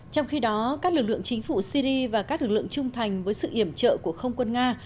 trong khi đó các lực lượng chính phủ syri và các lực lượng trung thành với sự iểm trợ của không quân nga